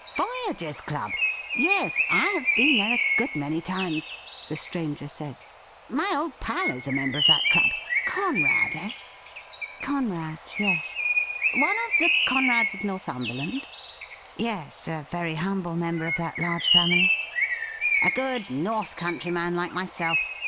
' Voyagers' Club ! Yes, I have been there a good many times,' the stranger said. ' My old pal is a member of that club. Conrad, eh?' ' Conrad — yes.' ' One of the Conrads of Northumberland ?^' Yes, a very humble member of that large family,' MR, ALBERT EDWARD WALEY 39 ' A good North Country man, like myself.